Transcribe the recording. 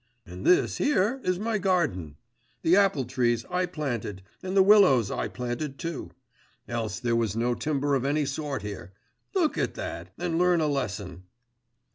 And this here is my garden; the apple trees I planted, and the willows I planted too. Else there was no timber of any sort here. Look at that, and learn a lesson!